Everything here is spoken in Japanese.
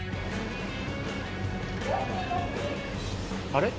あれ？